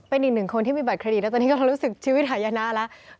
เป็นอีกหนึ่งคนที่มีบัตรเครดิตแล้วตอนนี้กำลังรู้สึกชีวิตหายนะแล้ว